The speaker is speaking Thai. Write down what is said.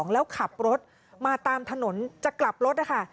แล้วขับรถมาตามถนนจะกลับรถนะคะ